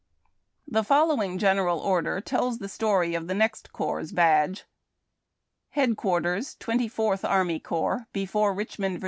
The following General Order tells the story of the next Corps' badge :— Headqitarters Twexty Fourth Army Corps, Before Richmond, Va.